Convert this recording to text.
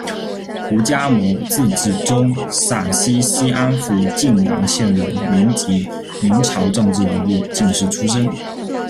胡嘉谟，字子忠，陕西西安府泾阳县人，民籍，明朝政治人物、进士出身。